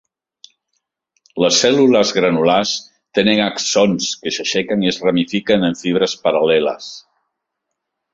Les cèl·lules granulars tenen axons que s'aixequen i es ramifiquen en fibres paral·leles.